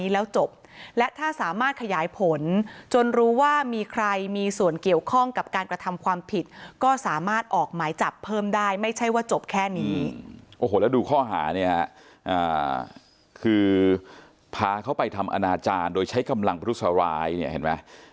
แล้วดูข้าวหานี้คือพาเขาไปทำอนาจารย์โดยใช้กำลังพฤษวรายนี่เห็นไหม